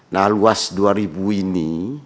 nah luas dua ribu ini